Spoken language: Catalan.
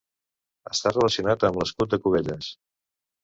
Està relacionat amb l'escut de Cubelles.